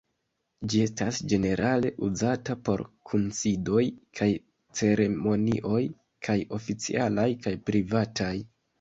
Ĝi estas ĝenerale uzata por kunsidoj kaj ceremonioj, kaj oficialaj kaj privataj.